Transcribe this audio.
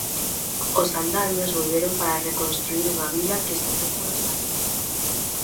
Os andamios volveron para reconstruír unha vila que saltou polos aires.